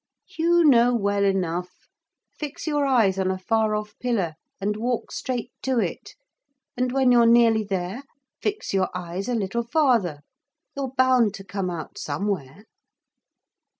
'You know well enough. Fix your eyes on a far off pillar and walk straight to it, and when you're nearly there fix your eyes a little farther. You're bound to come out somewhere.'